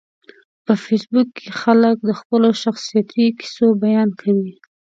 په فېسبوک کې خلک د خپلو شخصیتي کیسو بیان کوي